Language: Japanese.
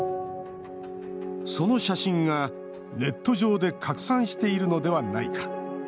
その写真が、ネット上で拡散しているのではないか。